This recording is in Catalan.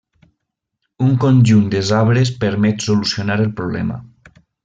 Un conjunt de sabres permet solucionar el problema.